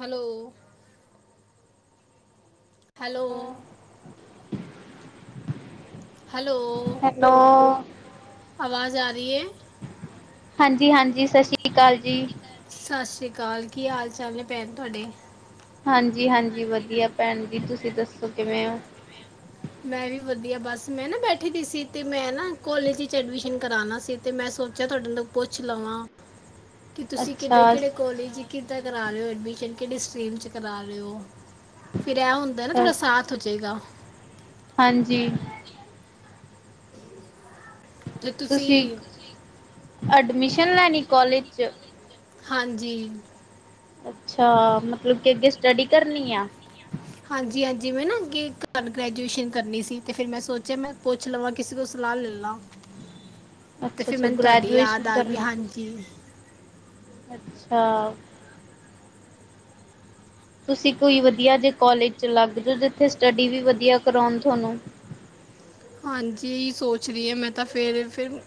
Hello hello hello ਆਵਾਜ਼ ਆ ਰਹੀ ਹੈ। ਹਾਂਜੀ ਹਾਂਜੀ ਸਤਿ ਸ਼੍ਰੀ ਅਕਾਲ ਜੀ ਸਤਿ ਸ੍ਰੀ ਅਕਾਲ ਕੀ ਹਾਲ ਚਾਲ ਨੇ ਭੈਣ ਤੁਹਾਡੇ ਹਾਂਜੀ ਹਾਂਜੀ ਵਧੀਆ ਭੈਣ ਜੀ ਤੁਸੀਂ ਦੱਸੋ ਕਿਵੇਂ ਹੋ ਮੈਂ ਵੀ ਵਧੀਆ ਬਸ ਮੈਂ ਨਾ ਬੈਠੀ ਦੀ ਸੀ ਤੇ ਮੈਂ ਨਾ ਕੋਲਜ ਵਿੱਚ ਐਡਮਿਸ਼ਨ ਕਰਾਉਣਾ ਸੀ। ਤੇ ਮੈਂ ਸੋਚਿਆ ਤੁਹਾਡੇ ਤੋਂ ਪੁੱਛ ਲਵਾਂ ਕਿ ਤੁਸੀਂ ਅੱਛਾ ਕਿਹੜੇ ਕੋਲਜ ਕਿੱਦਾਂ ਕਰਾ ਰਹੇ ਐਡਮਿਸ਼ਨ ਕਿਹੜੀ ਸਟੀਮ ਚ ਕਰਾ ਰਹੇ ਹੋ। ਫਿਰ ਇਹ ਹੁੰਦਾ ਨਾ ਅੱਛਾ ਥੋੜਾ ਸਾਥ ਹੋ ਜਾਏਗਾ ਹਾਂਜੀ ਤੁਸੀਂ ਇੱਕ ਐਡਮਿਸ਼ਨ ਲੈਣੀ ਕੋਲੇਜ 'ਚ ਹਾਂਜੀ ਅੱਛਾ ਮਤਲਬ ਕਿ ਅੱਗੇ ਸਟੱਡੀ ਕਰਨੀ ਆ ਹਾਂਜੀ ਹਾਂਜੀ ਮੈਂ ਨਾ ਅੱਗੇ ਘਰ ਗ੍ਰੈਜੂਏਸ਼ਨ ਕਰਨੀ ਸੀ ਤੇ ਫਿਰ ਮੈਂ ਸੋਚਿਆ ਮੈਂ ਪੁੱਛ ਲਵਾਂਗੀ ਕਿਸੇ ਕੋ ਸਲਾਹ ਲੈ ਲ ਤੇ ਅੱਛਾ ਫਿਰ ਅੱਛਾ ਮੈਨੂੰ ਤੁਹਾਡੀ ਯਾਦ ਗ੍ਰੈਜੂਏਸ਼ਨ ਆ ਗਈ ਕਰਨੀ ਹਾਂਜੀ ਤੁਸੀਂ ਅੱਛਾ ਤੁਸੀਂ ਕੋਈ ਵਧੀਆ ਜੇ ਕੋਲਜ ਚ ਲੱਗ ਜਾਓ ਜਿੱਥੇ ਸਟੱਡੀ ਵੀ ਵਧੀਆ ਕਰਾਉਣ ਤੁਹਾਨੂੰ ਹਾਂਜੀ ਇ ਸੋਚ ਰਹੀ ਹਾਂ ਮੈਂ ਤਾਂ ਫੇਰ ਫਿਰ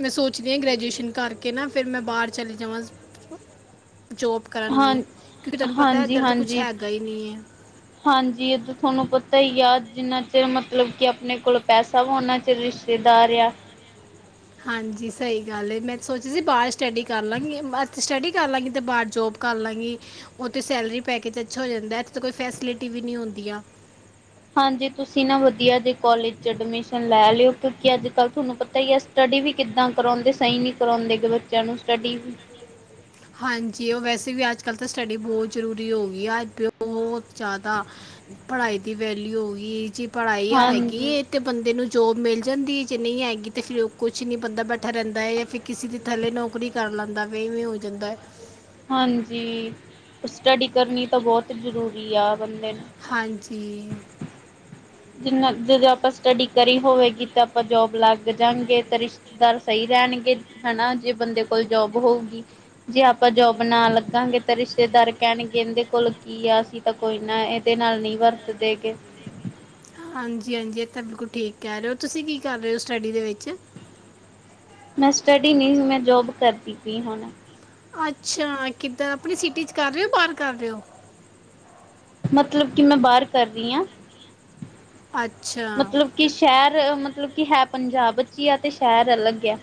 ਮੈਂ ਸੋਚਦੀ ਹਾਂ ਗ੍ਰੈਜੂਏਸ਼ਨ ਕਰਕੇ ਨਾ ਫਿਰ ਮੈਂ ਬਾਹਰ ਚਲੇ ਜਾਵਾਂ ਜੋਬ ਕਰਨ ਹਾਂ ਲਈ ਕਿਉਂਕਿ ਤੈਨੂੰ ਪਤਾ ਹਾਂਜੀ ਇੱਧਰ ਤਾਂ ਕੁਛ ਹਾਂਜੀ ਹੈਗਾ ਹੀ ਨਹੀਂ ਹੈ। ਹਾਂਜੀ ਉਹ ਤੁਹਾਨੂੰ ਪਤਾ ਹੀ ਹਾਂ ਜਿੰਨਾ ਚਿਰ ਮਤਲਬ ਕਿ ਆਪਣੇ ਕੋਲ ਪੈਸਾ ਵੀ ਉਹਨਾ ਚ ਰਿਸ਼ਤੇਦਾਰ ਆ। ਹਾਂਜੀ ਸਹੀ ਗੱਲ ਏ ਮੈਂ ਸੋਚਿਆ ਸੀ ਬਾਹਰ ਸਟੱਡੀ ਕਰ ਲਾਂਗੀ ਸਟੱਡੀ ਕਰ ਲਾਂਗੀ ਤੇ ਬਾਹਰ ਜੋਬ ਕਰ ਲਾਂਗੀ ਉਥੇ ਸੈਲਰੀ ਪੈਕੇਜ ਅੱਛਾ ਹੋ ਜਾਂਦਾ ਇੱਥੇ ਕੋਈ ਫੈਸਿਲਿਟੀ ਵੀ ਨਹੀਂ ਹੁੰਦੀ ਆ। ਹਾਂਜੀ ਤੁਸੀਂ ਨਾ ਵਧੀਆ ਜੇ ਕੋਲੇਜ ਚ ਐਡਮਿਸ਼ਨ ਲੈ ਲਿਓ ਕਿਉਂਕਿ ਅੱਜ ਕੱਲ੍ਹ ਤੁਹਾਨੂੰ ਪਤਾ ਹੀ ਹੈ ਸਟਡੀ ਵੀ ਕਿੱਦਾਂ ਕਰਾਉਂਦੇ ਸਹੀ ਨੀ ਕਰਾਉਂਦੇਗੇ ਬੱਚਿਆਂ ਨੂੰ ਸਟੱਡੀ ਵੀ ਹਾਂਜੀ ਉਹ ਵੈਸੇ ਵੀ ਅੱਜ ਕੱਲ੍ਹ ਤਾਂ ਸਟੱਡੀ ਬਹੁਤ ਜ਼ਰੂਰੀ ਹੋ ਗਈ ਆ ਬਹੁਤ ਜ਼ਿਆਦਾ। ਪੜ੍ਹਾਈ ਦੀ ਵੈਲਊ ਹੋ ਗਈ ਜੀ ਪੜ੍ਹਾਈ ਹਾਂਜੀ। ਹੈਗੀ। ਤੇ ਬੰਦੇ ਨੂੰ ਜੋਬ ਮਿਲ ਜਾਂਦੀ ਹੈ ਜੇ ਨਹੀਂ ਹੈਏਗੀ ਤੇ ਫੇਰ ਕੁਛ ਨੀ ਬੰਦਾ ਬੈਠਾ ਰਹਿੰਦਾ ਹੈ ਜਾਂ ਫਿਰ ਕਿਸੇ ਦੀ ਥੱਲੇ ਨੌਕਰੀ ਕਰ ਲੈਂਦਾ ਬਵੇ ਹੋ ਜਾਂਦਾ ਹਾਂਜੀ ਸਟੱਡੀ ਕਰਨੀ ਤਾਂ ਬਹੁਤ ਜ਼ਰੂਰੀ ਆ ਬੰਦੇ ਨੂੰ ਹਾਂਜੀ ਜਿੰਨਾ ਜਦੋਂ ਆਪਾਂ ਸਟੱਡੀ ਕਰੀ ਹੋਵੇਗੀ ਤਾਂ ਆਪਾਂ ਜੋਬ ਲੱਗ ਜਾਗੇ ਤਾਂ ਰਿਸ਼ ਦਰ ਸਹੀ ਰਹਿਣਗੇ ਹਨਾ ਜੇ ਬੰਦੇ ਕੋਲ ਜੋਬ ਹੋਊਗੀ ਜੇ ਆਪਾਂ ਜੋਬ ਨਾ ਲੱਗਾਂਗੇ ਤਾਂ ਰਿਸ਼ਤੇਦਾਰ ਕਹਿਣਗੇ ਇਹਦੇ ਕੋਲ ਕੀ ਆ ਅਸੀਂ ਤਾਂ ਕੋਈ ਨਾ ਇਹਦੇ ਨਾਲ ਨਹੀਂ ਵਰਤਦੇ ਗਏ ਹਾਂਜੀ ਹਾਂਜੀ ਇਹ ਤਾਂ ਬਿਲਕੁਲ ਠੀਕ ਕਹਿ ਰਹੇ ਹੋ ਤੁਸੀਂ ਕੀ ਕਰ ਰਹੇ ਹੋ ਸਟੱਡੀ ਦੇ ਵਿੱਚ ਮੈਂ ਸਟੱਡੀ ਨਹੀਂ ਸੀ ਮੈਂ ਜੋਬ ਕਰਦੀ ਪਈ ਹੁਣ ਅੱਛਾ ਕਿੱਧਰ ਆਪਣੀ ਸਿਟੀ ਚ ਕਰ ਰਹੇ ਹੋ ਬਾਹਰ ਕਰ ਰਹੇ ਹੋ ਮਤਲਬ ਕਿ ਮੈਂ ਬਾਹਰ ਕਰ ਰਹੀ ਹਾਂ ਅੱਛਾ ਮਤਲਬ ਕਿ ਸ਼ਹਿਰ ਮਤਲਬ ਕਿ ਹੈ ਪੰਜਾਬ ਵਿੱਚ ਹੀ ਆ ਤੇ ਸ਼ਹਿਰ ਅਲੱਗ ਆ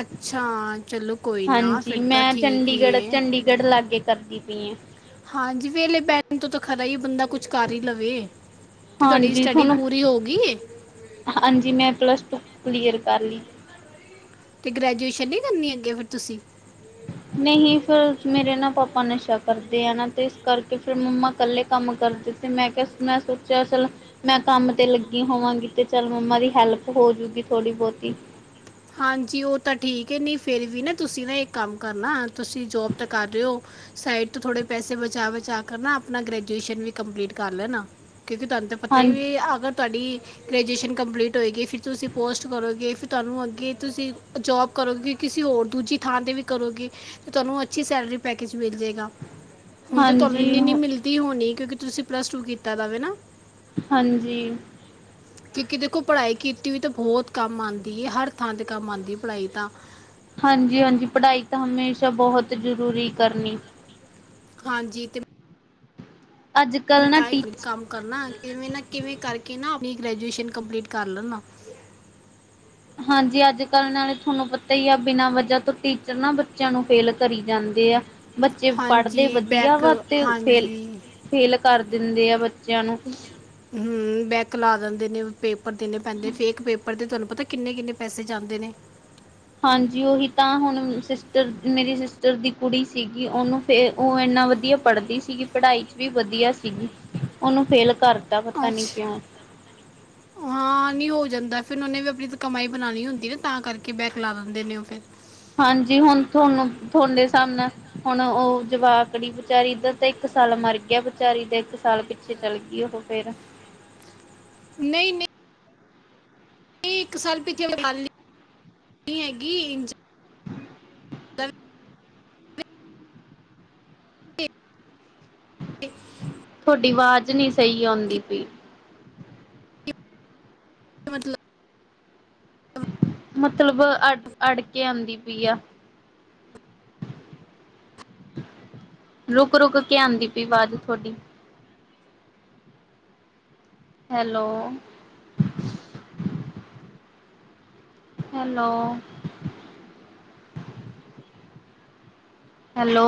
ਅੱਛਾ ਚਲੋ ਕੋਈ ਨਾ ਹਾਂਜੀ ਫਿਰ ਤਾਂ ਮੈਂ ਠੀਕ ਹੀ ਚੰਡੀਗੜ੍ਹ ਏ ਚੰਡੀਗੜ੍ਹ ਲਾਗੇ ਕਰਦੀ ਪਈ ਐ ਹਾਂਜੀ ਵੇਹਲੇ ਬੈਠਣ ਤੋਂ ਤਾਂ ਖਰਾ ਹੀ ਬੰਦਾ ਕੁਛ ਕਰ ਹੀ ਲਵੇ। ਤੇ ਤੁਹਾਡੀ ਹਾਂਜੀ ਸਟੱਡੀ ਤੁਹਾਨੂੰ ਪੂਰੀ ਹੋ ਗਈ ਏ ਹਾਂਜੀ ਮੈਂ ਪਲੱਸ ਟੂ ਕਲੀਅਰ ਕਰ ਲਈ। ਅਤੇ ਗ੍ਰੈਜੂਏਸ਼ਨ ਨਹੀਂ ਕਰਨੀ ਅੱਗੇ ਫਿਰ ਤੁਸੀਂ? ਨਹੀਂ ਫਿਰ ਮੇਰੇ ਨਾ ਪਾਪਾ ਨਸ਼ਾ ਕਰਦੇ ਆ ਨਾ ਤੇ ਇਸ ਕਰਕੇ ਫਿਰ ਮੰਮਾ ਇਕੱਲੇ ਕੰਮ ਕਰਦੇ। ਮੈਂ ਕਿਹਾ ਮੈਂ ਸੋਚਿਆ ਚੱਲੋ ਮੈਂ ਕੰਮ ਤੇ ਲੱਗੀ ਹੋਵਾਂਗੀ ਤੇ ਚੱਲ ਮੰਮਾ ਦੀ ਹੈਲਪ ਹੋਜੂਗੀ ਥੋੜ੍ਹੀ ਬਹੁਤੀ। ਹਾਂਜੀ ਉਹ ਤਾਂ ਠੀਕ ਹੈ ਨਹੀਂ ਫਿਰ ਵੀ ਨਾ ਤੁਸੀਂ ਨਾ ਇੱਕ ਕੰਮ ਕਰਨਾ ਤੁਸੀਂ ਜੋਬ ਤਾਂ ਕਰ ਰਹੇ ਹੋ। ਸਾਈਡ ਤੋਂ ਥੋੜੇ ਪੈਸੇ ਬਚਾ ਬਚਾ ਕਰ ਨਾ ਆਪਣਾ ਗ੍ਰੈਜੂਏਸ਼ਨ ਵੀ ਕੰਪਲੀਟ ਕਰ ਲੈਣਾ। ਕਿਉਂਕਿ ਪਤਾ ਹੀ ਹਾਂਜੀ ਵੀ ਅਗਰ ਤੁਹਾਡੀ ਗ੍ਰੈਜੂਏਸ਼ਨ ਕੰਪਲੀਟ ਹੋਏਗੀ ਫਿਰ ਤੁਸੀਂ ਪੋਸਟ ਕਰੋਗੇ ਫਿਰ ਤੁਹਾਨੂੰ ਅੱਗੇ ਕਿ ਤੁਸੀਂ ਜੋਬ ਕਰੋਗੇ ਕਿਸੇ ਹੋਰ ਦੂਜੀ ਥਾਂ 'ਤੇ ਵੀ ਕਰੋਗੇ। ਤੇ ਤੁਹਾਨੂੰ ਅੱਛੀ ਸੈਲਰੀ ਪੈਕੇਜ ਮਿਲ ਜਾਏਗਾ। ਹੁਣ ਤੇ ਤੁਹਾਨੂੰ ਹਾਂਜੀ ਇੰਨੀ ਇੰਨੀ ਮਿਲਦੀ ਹੋਣੀ ਕਿਉਂਕਿ ਤੁਸੀਂ ਪਲੱਸ ਟੂ ਕੀਤਾ ਦਾ ਵ ਨਾ ਹਾਂਜੀ। ਕਿਉਂਕਿ ਦੇਖੋ ਪੜ੍ਹਾਈ ਕੀਤੀ ਵੀ ਤਾਂ ਬਹੁਤ ਕੰਮ ਆਉਂਦੀ ਹੈ ਹਰ ਥਾਂ ਤੇ ਕੰਮ ਆਉਂਦੀ ਪੜ੍ਹਾਈ ਤਾਂ। ਹਾਂਜੀ ਹਾਂਜੀ ਪੜ੍ਹਾਈ ਤਾਂ ਹਮੇਸ਼ਾ ਬਹੁਤ ਜ਼ਰੂਰੀ ਕਰਨੀ। ਹਾਂਜੀ ਤੇ ਅੱਜ ਮੈਂ ਕੱਲ੍ਹ ਨਾ ਤਾਂ ਹੀ ਟੀਚ ਕੰਮ ਕਰਨਾ ਕਿਵੇਂ ਨਾ ਕਿਵੇਂ ਕਰਕੇ ਨਾ ਆਪਣੀ ਗ੍ਰੈਜੂਏਸ਼ਨ ਕੰਪਲੀਟ ਕਰ ਲੈਣਾ। ਹਾਂਜੀ ਅੱਜ ਕੱਲ੍ਹ ਨਾਲੇ ਤੁਹਾਨੂੰ ਪਤਾ ਹੀ ਆ ਬਿਨਾਂ ਵਜ੍ਹਾ ਤੋਂ ਟੀਚਰ ਨਾ ਬੱਚਿਆਂ ਨੂੰ ਫੇਲ ਕਰੀ ਜਾਂਦੇ ਆ। ਬੱਚੇ ਪੜ੍ਹਦੇ ਹਾਂਜੀ ਵਧੀਆ ਬੈਕ ਵਾ ਤੇ ਹਾਂਜੀ ਫੇਲ-ਫੇਲ ਕਰ ਦਿੰਦੇ ਆ ਬ ਹੂੰ ਬੈਕ ਲਾ ਦਿੰਦੇ ਨੇ ਪੇਪਰ ਦੇਣੇ ਪੈਂਦੇ, ਫੇਕ ਇਕ ਪੇਪਰ ਦੇ ਤੁਹਾਨੂੰ ਪਤਾ ਕਿੰਨੇ-ਕਿੰਨੇ ਪੈਸੇ ਜਾਂਦੇ ਨੇ। ਹਾਂਜੀ, ਉਹੀ ਤਾਂ ਹੁਣ ਸਿਸਟਰ ਮੇਰੀ ਸਿਸਟਰ ਦੀ ਕੁੜੀ ਸੀਗੀ ਉਹਨੂੰ ਫਿਰ ਉਹ ਇੰਨਾ ਵਧੀਆ ਪੜ੍ਹਦੀ ਸੀਗੀ, ਪੜ੍ਹਾਈ ਚ ਵੀ ਵਧੀਆ ਸੀਗੀ ਉਹਨੂੰ ਫੇਲ ਕਰਤਾ। ਪਤਾ-ਪਤਾ, ਨੀ ਕਿਉਂ? ਸਹੀ ਕਹਿ ਰਹੇ ਹੋ। ਹਾਂ ਨੀ ਹੋ ਜਾਂਦਾ ਫਿਰ ਉਹਨੇ ਵੀ ਆਪਣੀ ਕਮਾਈ ਬਣਾਉਣੀ ਹੁੰਦੀ ਨਾ ਤਾਂ ਕਰਕੇ ਬੈਕ ਲਾ ਦਿੰਦੇ ਨੇ ਉਹ ਫਿਰ। ਹਾਂਜੀ, ਹੁਣ ਤੁਹਾਨੂੰ ਤੁਹਾਡੇ ਹਿਸਾਬ ਨਾਲ ਹੁਣ ਉਹ ਜਵਾ ਕੜੀ ਵਿਚੇਚਾਰੀ ਦਾ ਤੇ ਇੱਕ ਸਾਲ ਮਰ ਗਿਆ ਵਿਚਚਾਰੀ ਦੇ ਇੱਕ ਸਾਲ ਪਿੱਛੇ ਪਿੱਛੇ ਚੱਲ ਗਈ ਉਹ ਫੇਰ। ਨਹੀਂ-ਨਹੀਂ। ਨਹੀਂ ਇੱਕ ਸਾਲ ਪਿੱਛੇ ਦੀ ਗਲ ਨਿ ਹੈਗੀ ਇੰ ਏ ਤੁਹਾਡੀ ਆਵਾਜ਼ ਨੀ ਸਹੀ ਆਉਂਦੀ ਪਈ। ਕੇ ਮਤਲਬ? ਮਤਲਬ ਅੜ-ਅੜ ਕੇ ਆਉਂਦੀ ਪਈ ਆ। ਰੁਕ-ਰੁਕ ਕੇ ਆਉਂਦੀ ਪਈ ਆਵਾਜ਼ ਤੁਹਾਡੀ। ਹੈਲੋ। ਹੈਲੋ। ਹੈਲੋ।